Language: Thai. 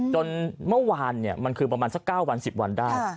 จนเมื่อวานมันคือประมาณสัก๙วัน๑๐วันได้